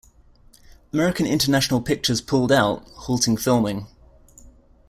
American International Pictures pulled out, halting filming.